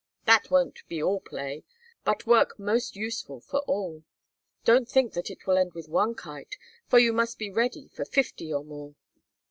"That won't be all play, but work most useful for all. Don't think that it will end with one kite for you must be ready for fifty or more."